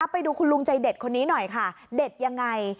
ไปดูคุณลุงใจเด็ดคนนี้หน่อยค่ะเด็ดยังไง